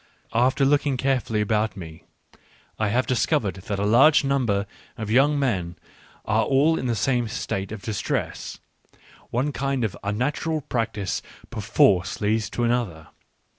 After looking carefully about me, I have discovered that a large number of young men are all in the same state of distress : one kind of un natural practice perforce leads to another.